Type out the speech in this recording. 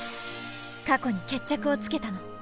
過去に決着をつけたの。